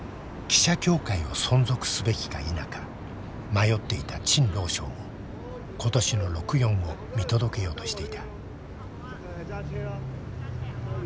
記者協会を存続すべきか否か迷っていた陳朗昇も今年の六四を見届けようとしていた。